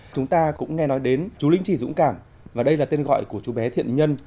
chúng ta cũng nghe nói đến chú lĩnh chỉ dũng cảm và đây là tên gọi của chú bé thiện nhân